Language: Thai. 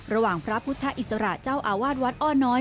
ระหว่างพระพุทธอิสระเจ้าอาวาดวัดอ้อน้อย